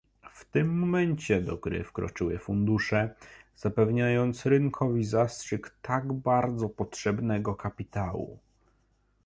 W tym momencie do gry wkroczyły fundusze, zapewniając rynkowi zastrzyk tak bardzo potrzebnego kapitału